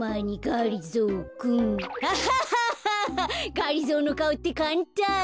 がりぞーのかおってかんたん。